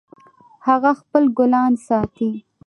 هغه خپل ګلان ساتي